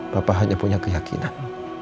papa hanya punya keyakinan